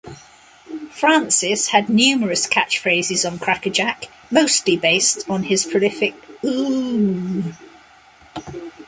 Francis had numerous catchphrases on "Crackerjack", mostly based on his prolific "Ooh!